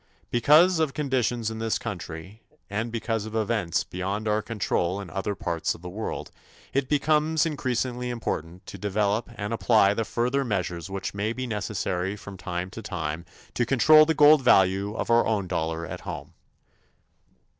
Because of conditions in this country and because of events beyond our control in other parts of the world, it becomes increasingly important to develop and apply the further measures which may be necessary from time to time to control the gold value of our own dollar at home.